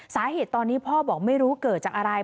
สาเหตุตอนนี้พ่อบอกไม่รู้เกิดจากอะไร